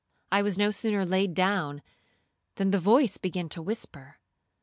I was no sooner laid down than the voice began to whisper.